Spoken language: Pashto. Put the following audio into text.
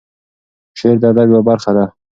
شعر د ادب یوه برخه ده.